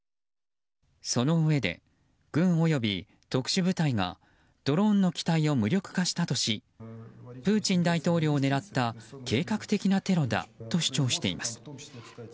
そのうえで、軍及び特殊部隊がドローンの機体を無力化したとしプーチン大統領を狙った計画的なテロだと主張しています。